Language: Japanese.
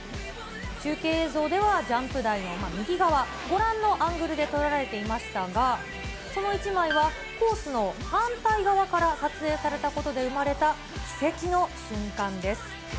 中継映像ではジャンプ台の右側、ご覧のアングルで撮られていましたが、その１枚はコースの反対側から撮影されたことで生まれた、奇跡の瞬間です。